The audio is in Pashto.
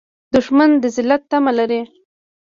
دښمن د ذلت تمه لري